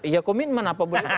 ya komitmen apa boleh